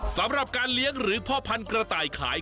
สำหรับการเลี้ยงหรือพ่อพันธุ์กระต่ายขาย